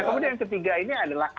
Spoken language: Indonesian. nah kemudian yang ketiga ini adalah ampau